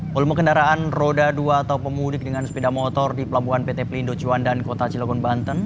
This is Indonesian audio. volume kendaraan roda dua atau pemudik dengan sepeda motor di pelabuhan pt pelindo ciwandan kota cilogon banten